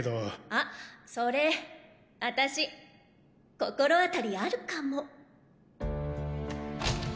あそれ私心当たりあるかも。